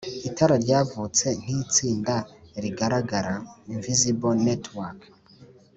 Itara ryavutse nk’itsinda ritagaragara (Invisible Network)